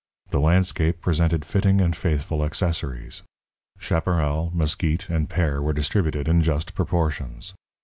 The landscape presented fitting and faithful accessories. Chaparral, mesquit, and pear were distributed in just proportions.